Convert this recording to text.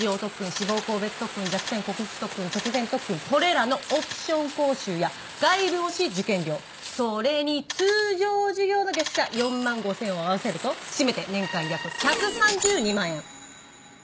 志望校別特訓弱点克服特訓直前特訓これらのオプション講習や外部模試受験料それに通常授業の月謝４万５０００円を合わせると締めて年間約１３２万円。